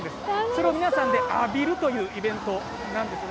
それを皆さんで浴びるというイベントなんです。